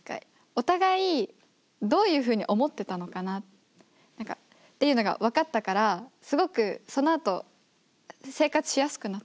お互いどういうふうに思ってたのかなっていうのが分かったからすごくそのあと生活しやすくなった。